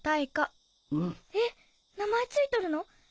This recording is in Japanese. えっ名前付いとるの？